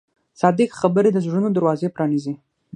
صادق خبرې د زړونو دروازې پرانیزي.